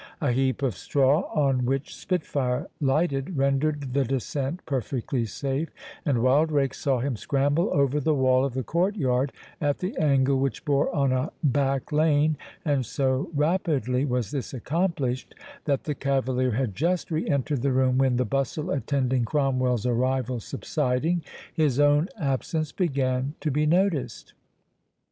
A heap of straw on which Spitfire lighted rendered the descent perfectly safe, and Wildrake saw him scramble over the wall of the court yard, at the angle which bore on a back lane; and so rapidly was this accomplished, that the cavalier had just re entered the room, when, the bustle attending Cromwell's arrival subsiding, his own absence began to be noticed.